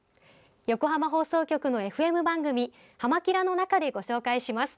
横浜放送局のＦＭ番組「はま☆キラ！」の中でご紹介します。